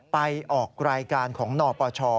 ไปออกรายการของนปช